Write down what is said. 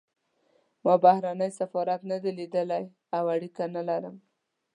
ما بهرنی سفارت نه دی لیدلی او اړیکه نه لرم.